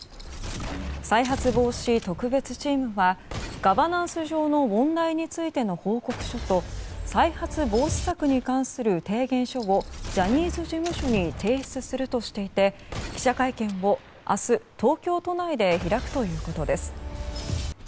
再発防止特別チームはガバナンス上の問題についての報告書と再発防止策に関する提言書をジャニーズ事務所に提出するとしていて記者会見を明日東京都内で開くということです。